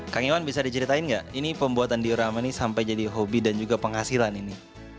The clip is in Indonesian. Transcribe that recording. kang iwan bisa diceritain nggak ini pembuatan diorama ini sampai jadi hobi dan juga penghasilan ini